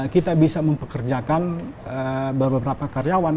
kita bisa mempekerjakan beberapa karyawan